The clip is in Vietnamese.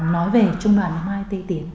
nói về trung đoàn hai tây tiến